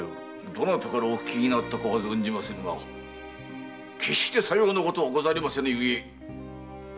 どなたからお聞きになったか存じませぬが決してさようなことはござりませぬゆえご安心を。